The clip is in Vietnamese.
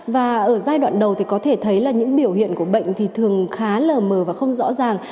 và ở giai đoạn đầu thì có thể thấy là những biểu hiện của bệnh thì thường khá là mờ và không rõ ràng